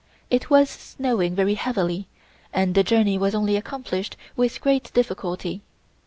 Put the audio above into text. It was snowing very heavily and the journey was only accomplished with great difficulty.